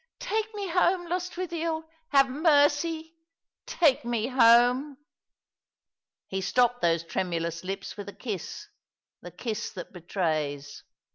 "Take ma home, Lostwithiel I Have mercy ! Take me home." He stopped those tremulous lips with a kiss — the kiss that betrays.